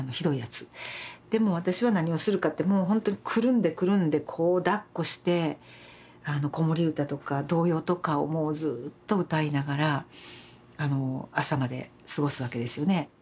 でもう私は何をするかってもうほんとにくるんでくるんでこうだっこして子守歌とか童謡とかをもうずっと歌いながら朝まで過ごすわけですよね。